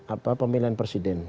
apa pemilihan presiden